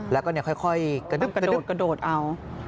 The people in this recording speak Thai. แล้วก็ค่อยกระโดดเอา